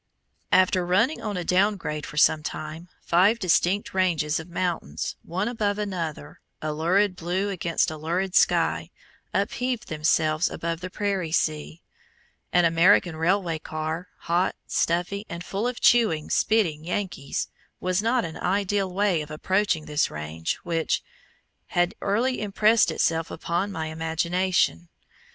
After running on a down grade for some time, five distinct ranges of mountains, one above another, a lurid blue against a lurid sky, upheaved themselves above the prairie sea. An American railway car, hot, stuffy and full of chewing, spitting Yankees, was not an ideal way of approaching this range which had early impressed itself upon my imagination.